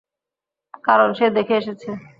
কারণ সে দেখে এসেছে।